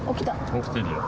起きてるよ。